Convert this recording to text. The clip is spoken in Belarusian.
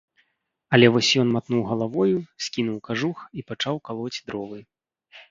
Але вось ён матнуў галавою, скінуў кажух і пачаў калоць дровы.